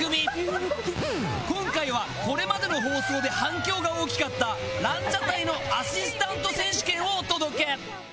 今回はこれまでの放送で反響が大きかったランジャタイのアシスタント選手権をお届け。